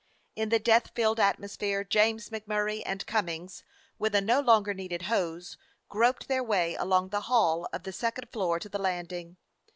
In the death filled atmosphere James MacMurray and Cummings, with a no longer needed hose, groped their way along the hall of the second floor to the landing.